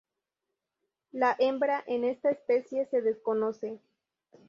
La hembra en esta especie se desconoce.